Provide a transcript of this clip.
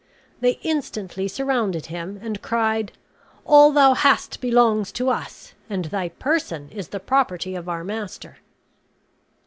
They instantly surrounded him and cried, "All thou hast belongs to us, and thy person is the property of our master."